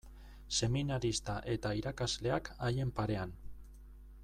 Seminarista eta irakasleak haien parean.